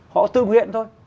họ tự nguyện thôi